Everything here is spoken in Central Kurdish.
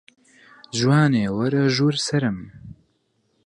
جوانێ وەرە ژوور سەرم